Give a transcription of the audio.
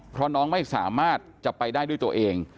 เพราะน้องไม่สามารถจะไปได้ด้วยตัวเอง